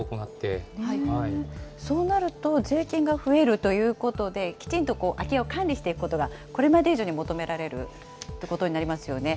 そうなると、税金が増えるということで、きちんと空き家を管理していくことがこれまで以上に求められるということになりますよね。